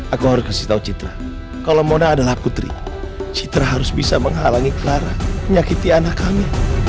aku harus kasih tahu citra kalau mona adalah putri citra harus bisa menghalangi clara menyakiti anak kami